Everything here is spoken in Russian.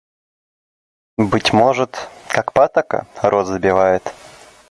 Быть может, как патока, рот забивает?